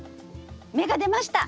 芽が出ました！